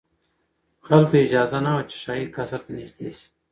خلکو ته اجازه نه وه چې شاهي قصر ته نږدې شي.